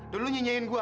dan lu nyinyiin gue